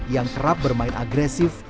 yang kerap bermain agresif